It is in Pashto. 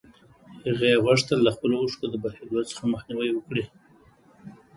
هغې غوښتل د خپلو اوښکو د بهېدو څخه مخنيوی وکړي.